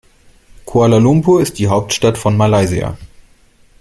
Kuala Lumpur ist die Hauptstadt von Malaysia.